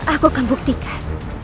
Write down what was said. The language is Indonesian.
aku akan buktikan